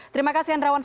terima kasih andrawan